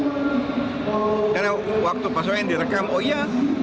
karena waktu pasokan direkam oh iya